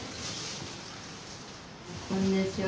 こんにちは。